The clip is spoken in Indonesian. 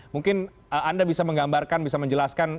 mungkin anda bisa menggambarkan bisa menjelaskan